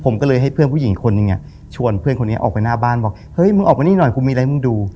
ผมก็เลยให้เพื่อนผู้หญิงคนนึงอ่ะชวนเพื่อนคนนี้ออกไปหน้าบ้านบอกเฮ้ยมึงออกมานี่หน่อยกูมีอะไรมึงดู